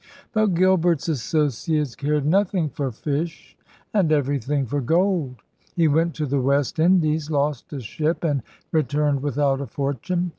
' But Gilbert's associates cared nothmg for fish and everything for gold. He went to the West Indies, lost a ship, and returned without a for tune.